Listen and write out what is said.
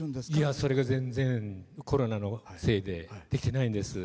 それが全然、コロナのせいでできてないんです。